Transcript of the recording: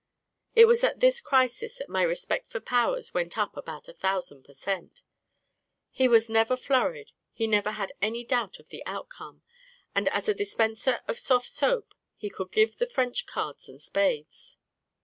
It was at this crisis that my respect for Powers went up about a thousand per cent He was never flurried, he never had any doubt of the outcome, and as a dis penser of soft soap he could give the French cards and spades.